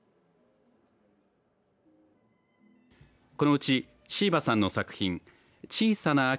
このうち椎葉さんの作品小さな秋！